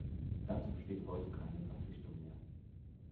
Dazu besteht heute keine Verpflichtung mehr.